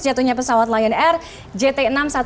jatuhnya pesawat lion air jt enam ratus sepuluh